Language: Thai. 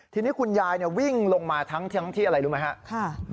ทีนี้คุณยายวิ่งลงมาทั้งที่อะไรรู้ไหมครับ